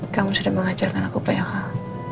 kamu sudah mengajarkan aku banyak hal